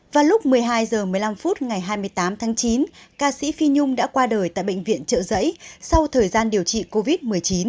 vào lúc một mươi hai h một mươi năm phút ngày hai mươi tám tháng chín ca sĩ phi nhung đã qua đời tại bệnh viện trợ giấy sau thời gian điều trị covid một mươi chín